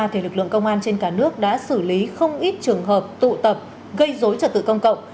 thì lực lượng công an trên cả nước đã xử lý không ít trường hợp tụ tập gây dối trật tự công cộng